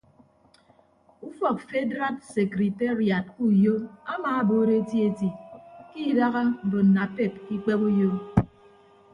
Ufọk fedraad sekriteriad ke uyo amaabuuro eti eti ke idaha mbon napep ke ikpehe uyo.